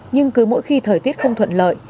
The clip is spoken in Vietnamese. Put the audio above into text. nhưng cứ mỗi khi thời tiết không thuận hợp